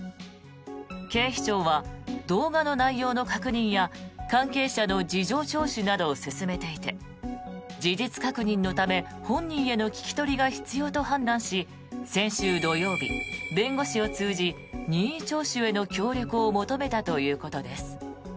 警視庁は動画の内容の確認や関係者の事情聴取などを進めていて事実確認のため本人への聞き取りが必要と判断し先週土曜日、弁護士を通じ任意聴取への協力を求めたということです。